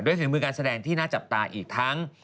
ฝีมือการแสดงที่น่าจับตาอีกทั้ง